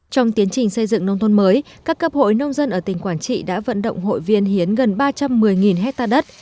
trong tiến trình xây dựng nông thôn mới các cấp hội nông dân ở tỉnh quảng trị đã vận động hội viên hiến gần ba trăm một mươi hectare đất